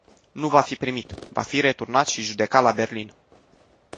Nu va fi primit, va fi returnat și judecat la Berlin.